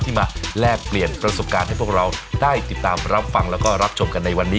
มาแลกเปลี่ยนประสบการณ์ให้พวกเราได้ติดตามรับฟังแล้วก็รับชมกันในวันนี้